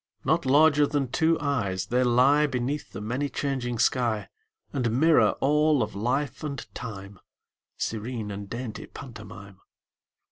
Not larger than two eyes, they lie Beneath the many changing sky And mirror all of life and time, Serene and dainty pantomime.